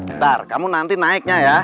ntar kamu nanti naiknya ya